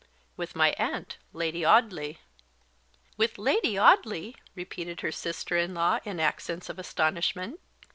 "With my aunt, Lady Audley." "With Lady Audley!" repeated her sister in law in accents of astonishment.